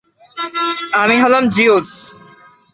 আমি হলাম জিউস!